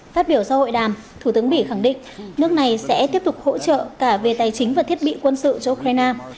phát biểu sau hội đàm thủ tướng bỉ khẳng định nước này sẽ tiếp tục hỗ trợ cả về tài chính và thiết bị quân sự cho ukraine